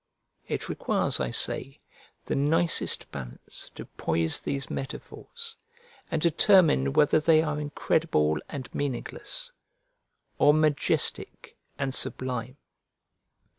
It requires, I say, the nicest balance to poise these metaphors, and determine whether they are incredible and meaningless, or majestic and sublime.